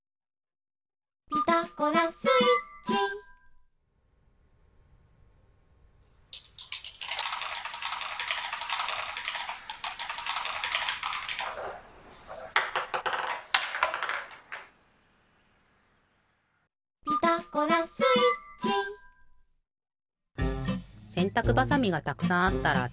「ピタゴラスイッチ」「ピタゴラスイッチ」せんたくばさみがたくさんあったらつくってみてね。